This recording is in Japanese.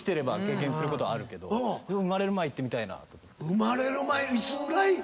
生まれる前いつぐらい？